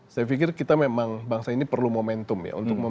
saya pikir kita memang bangsa ini perlu momentum ya